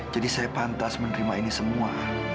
jadi saya pantas menerima ini semua